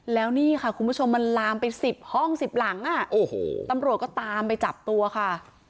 แล้วนี่ค่ะคุณผู้ชมมันลามไป๑๐ห้อง๑๐หลังตำรวจก็ตามไปจับตัวค่ะ